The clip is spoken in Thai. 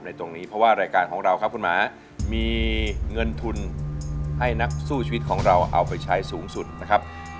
ตรงนี้เพราะว่ารายการของเราครับคุณหมามีเงินทุนให้นักสู้ชีวิตของเราเอาไปใช้สูงสุดนะครับ